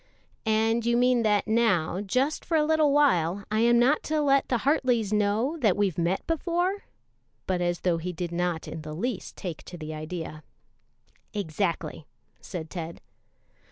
"And you mean that now, just for a little while, I am not to let the Hartleys know that we've met before?" but as though he did not in the least take to the idea. "Exactly," said Ted.